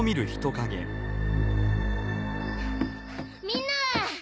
みんな！